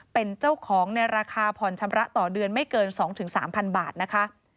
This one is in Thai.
เป็นเจ้าของในราคาผ่อนชำระต่อเดือนไม่เกิน๒๓๐๐บาทนะคะ